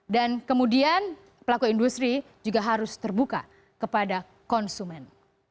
dan kemudian pelaku industri juga harus terbuka kepada konsumen